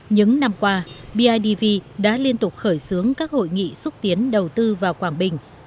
những năm qua bidv đã liên tục khởi xướng các hội nghị xúc tiến đầu tư vào quảng bình